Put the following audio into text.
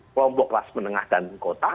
kelompok kelas menengah dan kota